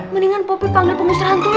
mendingan popi panggil pengusaha hantunya